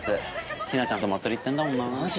ヒナちゃんと祭り行ってんだもんなぁ。